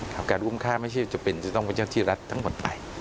การอุ้มฆ่าไม่ใช่จะเป็นจะต้องเป็นชั้นธุรกิจรัฐทั้งหมดไป